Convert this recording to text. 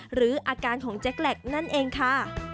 หรืออาการของแจ็คแล็กนั่นเองค่ะ